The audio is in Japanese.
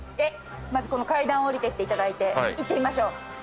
まずこの階段下りてっていただいて行ってみましょう。